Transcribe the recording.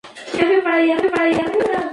Fue presentado por Rchb.f.